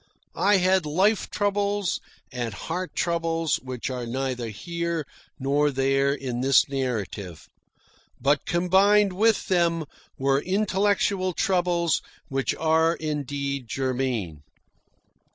I had life troubles and heart troubles which are neither here nor there in this narrative. But, combined with them, were intellectual troubles which are indeed germane.